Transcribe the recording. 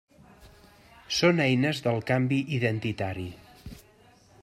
Són eines del canvi identitari.